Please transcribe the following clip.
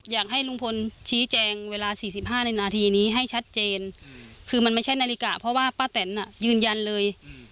อยากให้ลุงพลชี้แจงเวลา๔๕ในนาทีนี้ให้ชัดเจนคือมันไม่ใช่นาฬิกาเพราะว่าป้าแตนยืนยันเลย